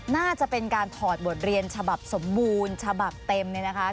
น่าจะเป็นการถอดบทเรียนฉบับสมบูรณ์ฉบับเต็ม